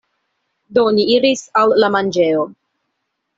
Do, ni iris al la manĝejo.